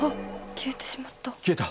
消えた。